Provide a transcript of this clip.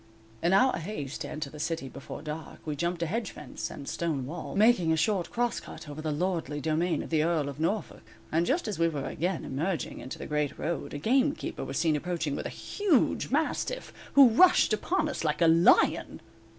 In our haste to enter the city before dark, we jumped a hedge fence, and stone wall, making a short cross cut over the lordly domain of the Earl of Norfolk, and just as we were again emerging into the great road, a gamekeeper was seen approaching with a huge mastiff, who rushed upon us like a lion.